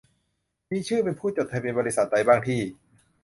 มีชื่อเป็นผู้จดทะเบียนบริษัทใดบ้างที่